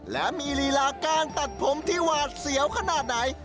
และมีลีลาการตัดผมที่หวาดเสียวขนาดไหน